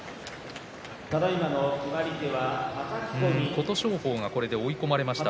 琴勝峰がこれで追い込まれました。